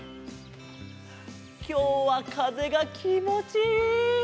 きょうはかぜがきもちいい！